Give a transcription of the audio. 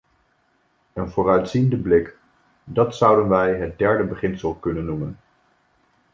Een vooruitziende blik: dat zouden wij het derde beginsel kunnen noemen.